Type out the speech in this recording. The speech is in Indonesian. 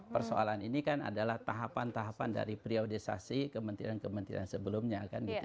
persoalan ini kan adalah tahapan tahapan dari priorisasi kementerian kementerian sebelumnya